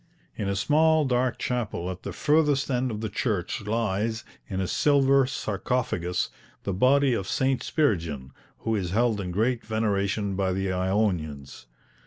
In a small dark chapel at the furthest end of the church lies, in a silver sarcophagus, the body of St. Spiridion, who is held in great veneration by the Ionians.